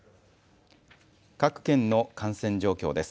各県の感染状況です。